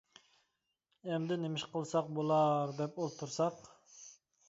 ئەمدى نېمە ئىش قىلساق بۇلار دەپ ئولتۇرساق.